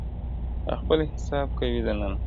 o او خپل حساب کوي دننه,